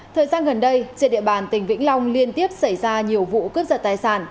thời gian gần đây trên địa bàn tỉnh vĩnh long liên tiếp xảy ra nhiều vụ cướp giật tài sản